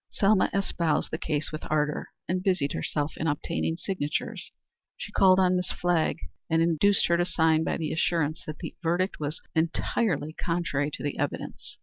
Selma espoused the case with ardor, and busied herself in obtaining signatures. She called on Miss Flagg and induced her to sign by the assurance that the verdict was entirely contrary to the evidence.